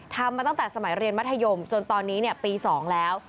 ทำมาตั้งแต่สมัยเรียนมัธยมจนตอนนี้ปี๒แล้ว